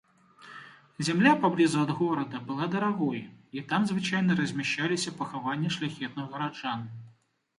Зямля паблізу ад горада была дарогай, і там звычайна размяшчаліся пахаванні шляхетных гараджан.